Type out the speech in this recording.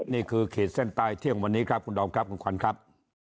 ขีดเส้นใต้เที่ยงวันนี้ครับคุณดอมครับคุณขวัญครับ